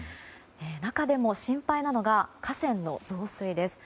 中でも心配なのが河川の増水です。